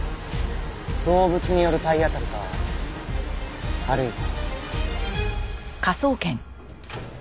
動物による体当たりかあるいは。